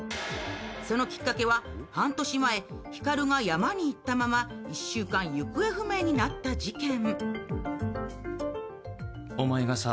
そのきっかけは半年前、光が山に行ったまま１週間行方不明になった事件。